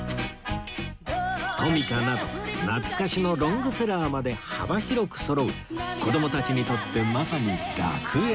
トミカなど懐かしのロングセラーまで幅広くそろう子どもたちにとってまさに楽園！